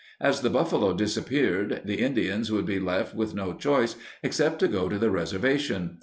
As the buffalo disappeared, the Indians would be left with no choice except to go to the reservation.